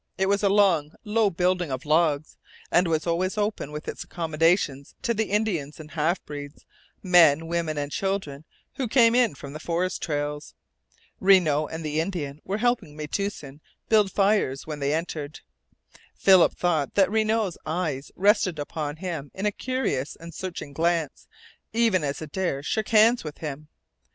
It was a long, low building of logs, and was always open with its accommodations to the Indians and half breeds men, women, and children who came in from the forest trails. Renault and the Indian were helping Metoosin build fires when they entered. Philip thought that Renault's eyes rested upon him in a curious and searching glance even as Adare shook hands with him.